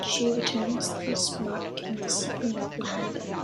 She retains this mark in the sequel novel "Hannibal".